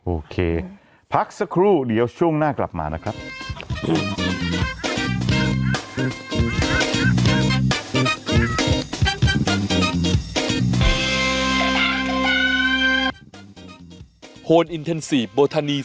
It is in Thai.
โอเคพักสักครู่เดี๋ยวช่วงหน้ากลับมานะครับ